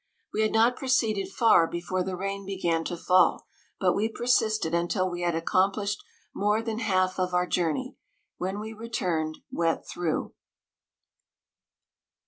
We had not proceeded far before the rain began to fall, but we persisted un til we had accomplished more than half of our journey, when we returned, wet through.